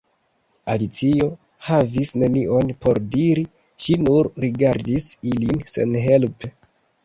Alicio havis nenion por diri; ŝi nur rigardis ilin senhelpe.